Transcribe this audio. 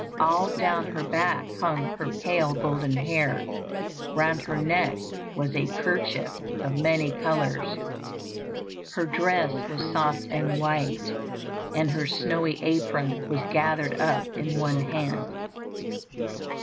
All down her back hung her pale golden hair; round her neck was a kerchief of many colours; her dress was soft and white, and her snowy apron was gathered up in one hand.